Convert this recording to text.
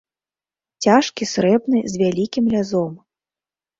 Цяжкі, срэбны, з вялікім лязом!